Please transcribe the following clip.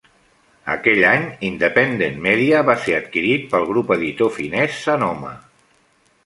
Aquell any, Independent Media va ser adquirit pel grup editor finés Sanoma.